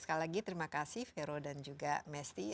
sekali lagi terima kasih vero dan juga mesty